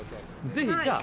ぜひじゃあ。